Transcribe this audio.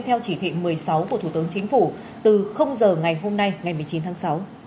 theo chỉ thị một mươi sáu của thủ tướng chính phủ từ giờ ngày hôm nay ngày một mươi chín tháng sáu